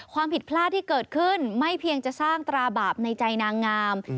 ความผิดพลาดที่เกิดขึ้นไม่เพียงจะสร้างตราบาปในใจนางงาม